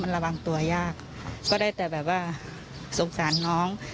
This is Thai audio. ระวังตัวยากก็ได้แต่แบบว่าสงสารน้อง